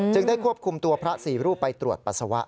ได้ควบคุมตัวพระ๔รูปไปตรวจปัสสาวะ